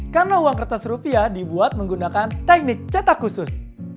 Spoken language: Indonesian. karena uang kertas rupiah dibuat menggunakan teknik cetak khusus